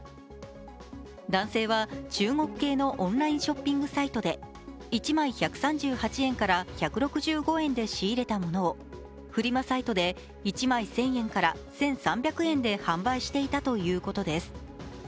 男性は中国系のオンラインショッピングサイトで１枚１３８円から１６５円で仕入れたものをフリマサイトで１枚１０００円から１３００円で販売していたということです。